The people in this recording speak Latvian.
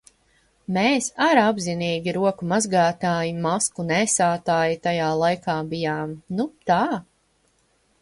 Mēs ar apzinīgi roku mazgātāji, masku nēsātāji tajā laikā bijām. Nu tā!